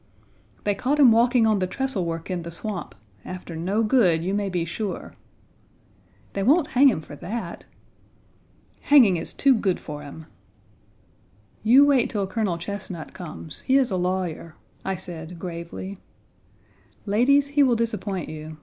"They caught him walking on the trestle work in the swamp, after no good, you may be sure." "They won't hang him for that!" "Hanging is too good for him!" "You wait till Colonel Chesnut comes." "He is a lawyer," I said, gravely. "Ladies, he will disappoint you.